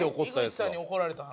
井口さんに怒られた話。